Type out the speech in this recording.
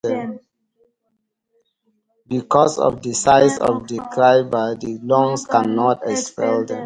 Because of the size of the fibers, the lungs cannot expel them.